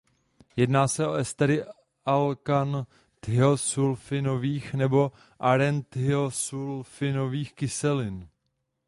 Jedná se o estery alkanthiosulfinových nebo arenthiosulfinových kyselin.